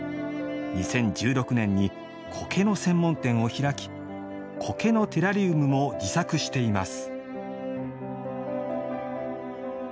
２０１６年に苔の専門店を開き苔のテラリウムも自作しています。